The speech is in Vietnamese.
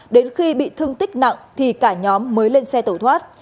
đến khi bị thương tích nặng thì cả nhóm mới lên xe tẩu thoát